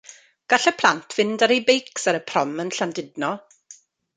Gall y plant fynd ar ei beics ar y prom yn Llandudno.